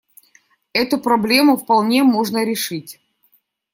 Эту проблему вполне можно решить.